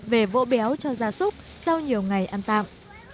về vỗ béo cho gia súc sau nhiều ngày ăn tạm